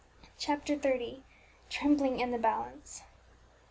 CHAPTER XXX. TREMBLING IN THE BALANCE.